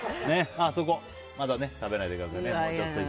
そこ、まだ食べないでくださいね。